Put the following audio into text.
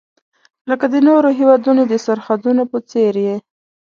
لکه د نورو هیوادونو د سرحدونو په څیر یې.